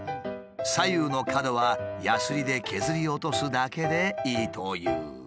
左右の角はやすりで削り落とすだけでいいという。